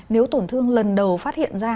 nếu tổn thương lần đầu phát hiện ra